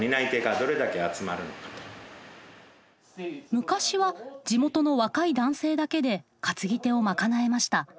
昔は地元の若い男性だけで担ぎ手を賄えました。